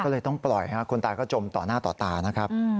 ก็เลยต้องปล่อยคนตายก็จมต่อหน้าต่อตานะครับ